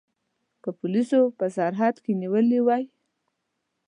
که پولیسو په سرحد کې نیولي وای.